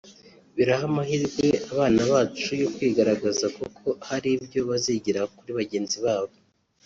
biraha amahirwe abana bacu yo kwigaragaza kuko hari ibyo bazigira kuri bagenzi babo